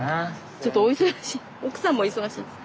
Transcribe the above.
ちょっとお忙しい奥さんも忙しいんです。